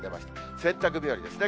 洗濯日和ですね。